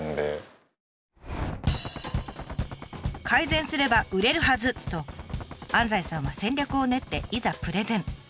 「改善すれば売れるはず」と安西さんは戦略を練っていざプレゼン。